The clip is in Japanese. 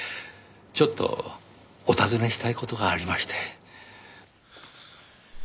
ちょっとお尋ねしたい事がありまして。